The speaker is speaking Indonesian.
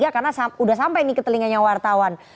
karena sudah sampai ini ketelinganya wartawan